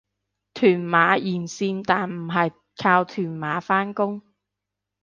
屯馬沿線但唔係靠屯馬返工